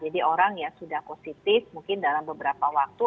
jadi orang yang sudah positif mungkin dalam beberapa waktu